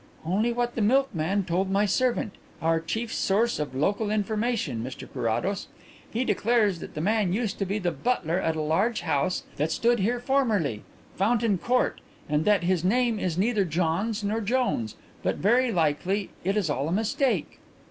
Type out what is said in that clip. "Only what the milkman told my servant our chief source of local information, Mr Carrados. He declares that the man used to be the butler at a large house that stood here formerly, Fountain Court, and that his name is neither Johns nor Jones. But very likely it is all a mistake."